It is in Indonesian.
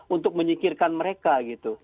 untuk menyikirkan mereka gitu